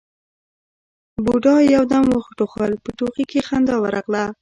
بوډا يو دم وټوخل، په ټوخي کې خندا ورغله: